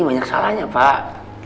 banyak salahnya pak